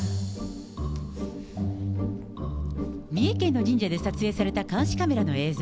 三重県の神社で撮影された監視カメラの映像。